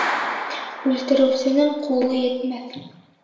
Үлтереүсенең ҡулы етмәҫ.